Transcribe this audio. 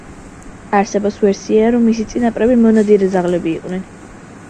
არსებობს ვერსია, რომ მისი წინაპრები მონადირე ძაღლები იყვნენ.